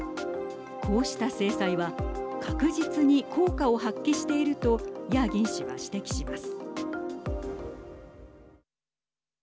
こうした制裁は確実に効果を発揮しているとヤーギン氏は指摘します。